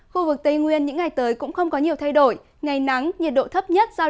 khu vực tây nguyên những ngày tới cũng không có nhiều thay đổi ngày nắng nhiệt độ thấp nhất